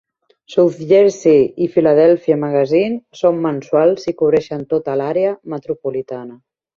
"South Jersey" i "Filadèlfia Magazine" són mensuals i cobreixen tota l'àrea metropolitana.